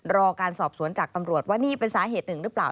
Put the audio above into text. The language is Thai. รอการสอบสวนจากตำรวจว่านี่เป็นสาเหตุหนึ่งหรือเปล่า